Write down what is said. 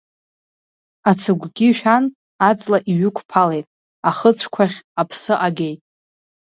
Ацыгәгьы шәан, аҵла иҩықәԥалеит, ахыцәқәахь аԥсы агеит.